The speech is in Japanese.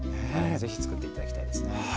ぜひ作って頂きたいですね。